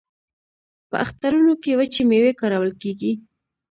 په اخترونو کې وچې میوې کارول کیږي.